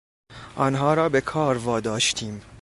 آنها را به کار واداشتیم.